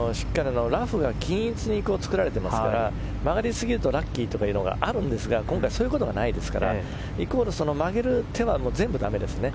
ラフが均一に作られていますから曲がりすぎるとラッキーとかいうのがあるんですが今回はそういうことがないですからイコール曲げる手は全部だめですね。